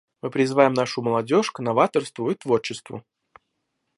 Мы призываем нашу молодежь к новаторству и творчеству.